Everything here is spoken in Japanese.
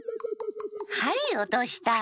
はいおとした。